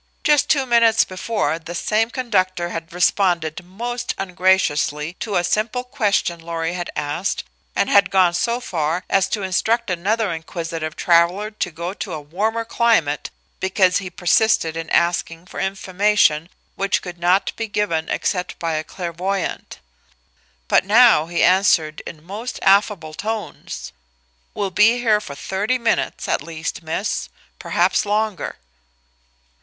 Just two minutes before this same conductor had responded most ungraciously to a simple question Lorry had asked and had gone so far as to instruct another inquisitive traveler to go to a warmer climate because he persisted in asking for information which could not be given except by a clairvoyant. But now he answered in most affable tones: "We'll be here for thirty minutes, at least, Miss perhaps longer."